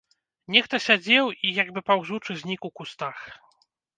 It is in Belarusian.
Нехта сядзеў і, як бы паўзучы, знік у кустах.